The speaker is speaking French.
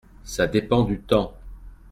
Ça dépend du temps.